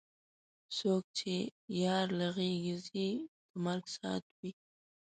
څوک چې یار له غېږې ځي د مرګ ساعت وي.